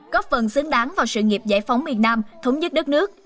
góp phần xứng đáng vào sự nghiệp giải phóng miền nam thống nhất đất nước